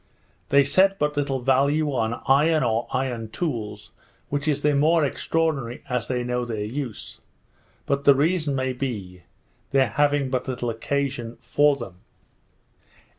They set but little value on iron or iron tools, which is the more extraordinary, as they know their use; but the reason may be, their having but little occasion for them.